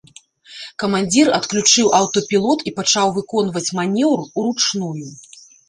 Камандзір адключыў аўтапілот і пачаў выконваць манеўр уручную.